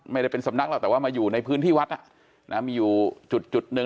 ไม่ได้เป็นสำนักหรอกแต่ว่ามาอยู่ในพื้นที่วัดมีอยู่จุดหนึ่ง